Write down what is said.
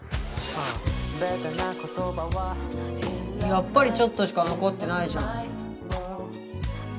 やっぱりちょっとしか残ってないじゃん。